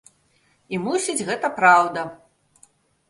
І мусіць, гэта праўда.